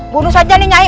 bunuh saja nyai